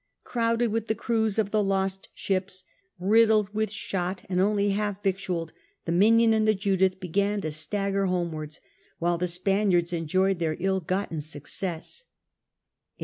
Crowded with the crews of the lost ships, riddled with shot, and only half vicfcualled, the Minion and the Judith began to stagger homewards, while the Spaniards enjoyed their ill gotten success.